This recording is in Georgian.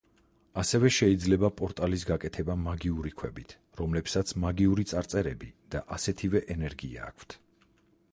ასევე შეიძლება პორტალის გაკეთება მაგიური ქვებით რომლებსაც მაგიური წარწერები და ასეთივე ენერგია აქვთ.